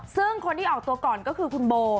ซึ่งคนที่ออกตัวก่อนก็คือคุณโบ